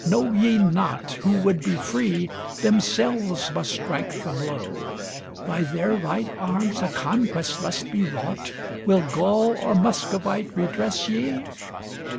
know ye not Who would be free, themselves must strike the blow? By their right arms the conquest must be wrought? Will Gaul or Muscovite redress ye?